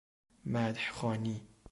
مدح خوانی